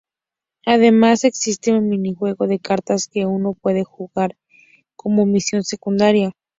Además, existe un minijuego de cartas que uno puede jugar como misión secundaria.